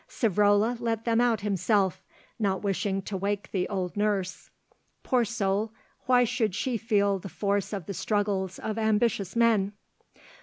Savrola let them out himself, not wishing to wake the old nurse. Poor soul, why should she feel the force of the struggles of ambitious men?